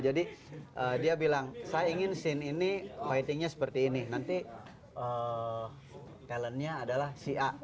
jadi dia bilang saya ingin scene ini fightingnya seperti ini nanti talentnya adalah si a